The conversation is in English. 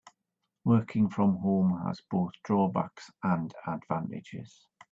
Working from home has both drawbacks and advantages.